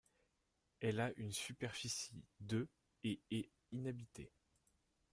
Elle a une superficie de et est inhabitée.